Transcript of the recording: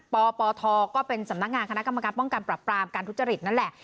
ปปทก็เป็นสำนักงานคณะกรรมการป้องกันปรับปรามการทุจริตนั่นแหละ